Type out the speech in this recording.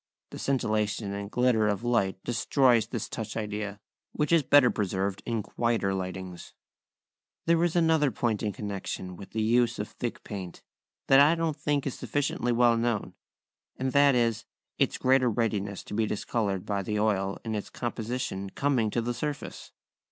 The scintillation and glitter of light destroys this touch idea, which is better preserved in quieter lightings. There is another point in connection with the use of thick paint, that I don't think is sufficiently well known, and that is, its greater readiness to be discoloured by the oil in its composition coming to the surface.